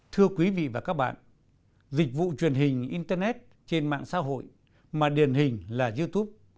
thưa quý vị và các bạn dịch vụ truyền hình internet trên mạng xã hội mà điển hình là youtube